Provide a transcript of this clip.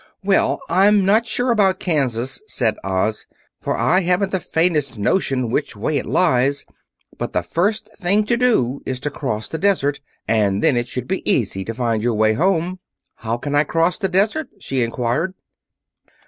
"Well, I'm not sure about Kansas," said Oz, "for I haven't the faintest notion which way it lies. But the first thing to do is to cross the desert, and then it should be easy to find your way home." "How can I cross the desert?" she inquired.